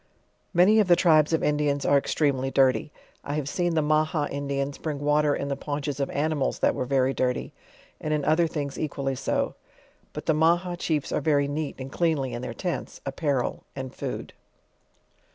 Many of the tribes of Indians are extremely dirty. I have seen the Maha Indians bring water in the paunches of animals that were very dirty, and in other things equally so. But the Maha chiefs are very neat and cleanly in their tents, apparal>and food.